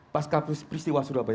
pasca peristiwa surabaya